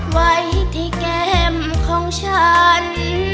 ไว้ที่แก้มของฉัน